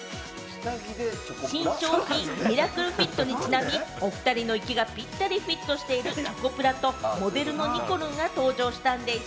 新商品・ミラクルフィットにちなみ、おふたりの息がぴったりフィットしているチョコプラとモデルのにこるんが登場したんでぃす。